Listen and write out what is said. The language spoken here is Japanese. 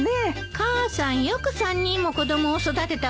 母さんよく３人も子供を育てたわね。